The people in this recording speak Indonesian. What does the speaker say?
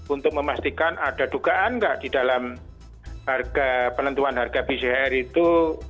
untuk memastikan ada dugaan nggak di dalam penentuan harga bcr itu